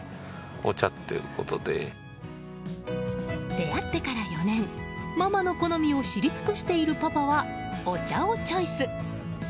出会ってから４年ママの好みを知り尽くしているパパは、お茶をチョイス。